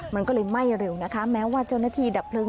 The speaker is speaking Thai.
มันก็เลยไหม้เร็วนะคะแม้ว่าเจ้าหน้าที่ดับเพลิง